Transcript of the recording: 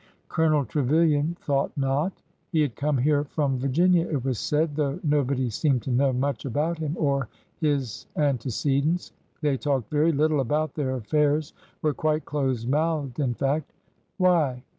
Colonel Trevilian thought not. He had come here from Virginia, it was said, though nobody seemed to know much about him or his antecedents. They talked very little about their affairs, — were quite close mouthed, in fact. Why?